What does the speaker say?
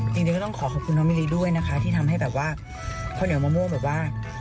จริงก็ต้องขอขอบคุณน้องมิลีด้วยนะคะที่ทำให้แบบว่าข้าวเหนียวมะม่วงแบบว่า